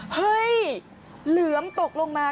เฮ่ยเหลือมตกลงมา